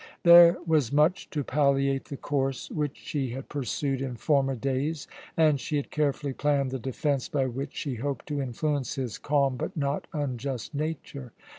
There was much to palliate the course which she had pursued in former days, and she had carefully planned the defence by which she hoped to influence his calm but not unjust nature.